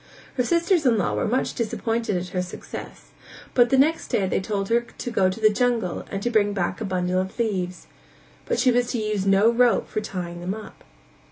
Her sisters in law were much disappointed at her success, but the next day they told her to go to the jungle and bring back a bundle of leaves, but she was to use no rope for tying them up.